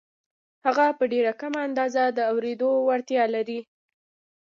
هغه په ډېره کمه اندازه د اورېدو وړتیا لري